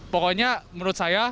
pokoknya menurut saya